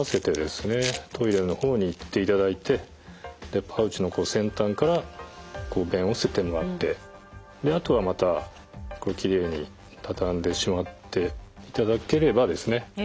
トイレの方に行っていただいてパウチの先端から便を捨ててもらってあとはまたきれいに畳んでしまっていただければですね